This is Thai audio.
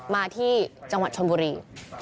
มาที่จังหวัดชนบุรี